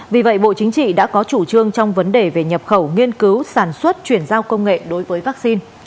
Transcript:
vì vậy bộ chính trị đã có chủ trương trong vấn đề về nhập khẩu nghiên cứu sản xuất chuyển giao công nghệ đối với vaccine